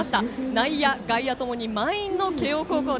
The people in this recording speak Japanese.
内野、外野ともに満員の慶応高校。